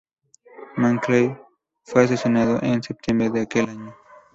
McKinley fue asesinado en septiembre de aquel año.